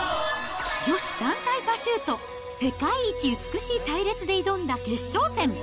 女子団体パシュート、世界一美しい隊列で挑んだ決勝戦。